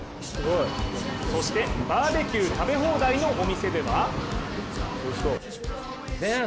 そして、バーベキュー食べ放題のお店では？